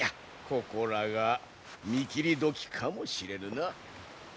ここらが見切り時かもしれぬな。